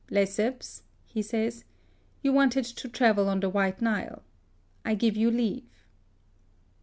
" Lesseps," he says, " you wanted to travel on the White Nile. I give you leave."